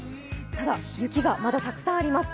ただ、雪がまだたくさんあります。